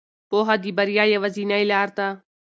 پوهه د بریا یوازینۍ لار ده.